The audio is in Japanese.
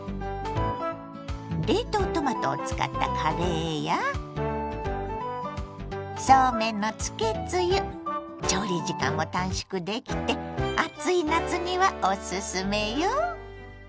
冷凍トマトを使ったカレーやそうめんのつけつゆ調理時間も短縮できて暑い夏にはおすすめよ。